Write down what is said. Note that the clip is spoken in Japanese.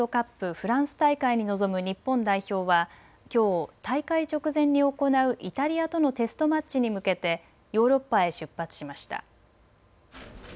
フランス大会に臨む日本代表はきょう大会直前に行うイタリアとのテストマッチに向けてヨーロッパへ出発しました。